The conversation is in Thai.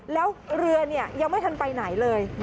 แล้วเรือยังไม่ทันไปไหนเลย